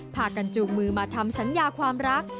พากันจูงมือมาทำสัญญาความรัก